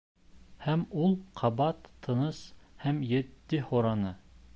Һәм ул ҡабат тыныс һәм етди һораны: